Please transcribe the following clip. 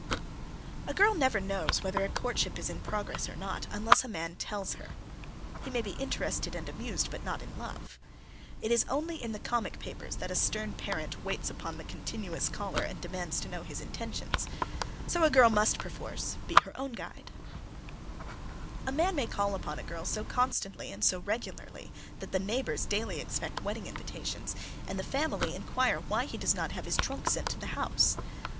A girl never knows whether a courtship is in progress or not, unless a man tells her. He may be interested and amused, but not in love. It is only in the comic papers that a stern parent waits upon the continuous caller and demands to know his "intentions," so a girl must, perforce, be her own guide. [Sidenote: The Continuous Caller] A man may call upon a girl so constantly and so regularly that the neighbours daily expect wedding invitations, and the family inquire why he does not have his trunk sent to the house.